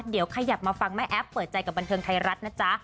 เดี๋ยวขยับมาฟังแม่แอฟเปิดใจกับบันเทิงไทยรัฐนะจ๊ะ